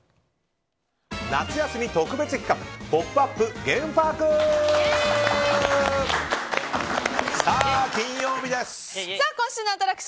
夏休み特別企画「ポップＵＰ！」ゲームパーク！